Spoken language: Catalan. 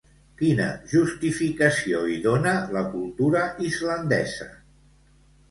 Quina justificació hi dona la cultura islandesa?